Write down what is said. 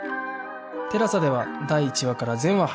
ＴＥＬＡＳＡ では第１話から全話配信中